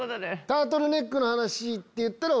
「タートルネックの話」って言ったら。